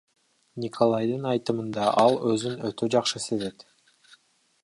Николайдын айтымында, ал өзүн өтө жакшы сезет.